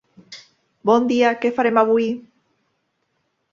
Bon dia, què farem avui?